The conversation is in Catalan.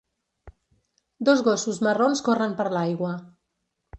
Dos gossos marrons corren per l'aigua.